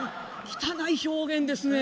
汚い表現ですね。